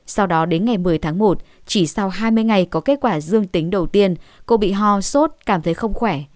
sau đó đến ngày một mươi tháng một chỉ sau hai mươi ngày có kết quả dương tính đầu tiên cô bị ho sốt cảm thấy không khỏe